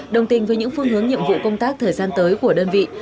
đồng tình với những phương hướng nhiệm vụ công tác thời gian tới của đơn vị